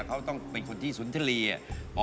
เขาต้องเป็นคนที่สุนทรีย์